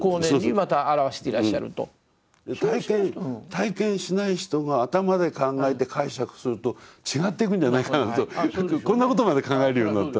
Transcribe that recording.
体験しない人が頭で考えて解釈すると違っていくんじゃないかなとこんなことまで考えるようになった。